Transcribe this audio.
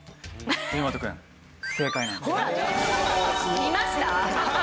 見ました？